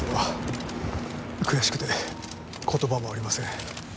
悔しくて言葉もありません。